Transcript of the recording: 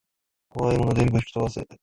こわいもの全部ふきとばせ